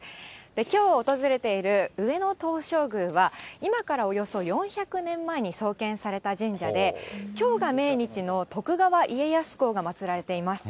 きょう訪れている上野東照宮は、今からおよそ４００年前に創建された神社で、きょうが命日の徳川家康公がまつられています。